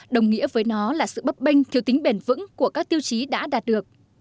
đồng nghĩa với nó là sự bấp bênh thiếu tính bền vững của các tiêu chí đã đạt được